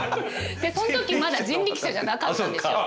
そのときまだ人力舎じゃなかったんですよ。